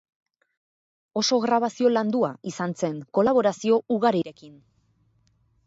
Oso grabazio landua izan zen, kolaborazio ugarirekin.